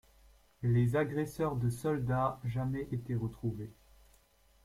Les agresseurs de Soldaat jamais été retrouvés.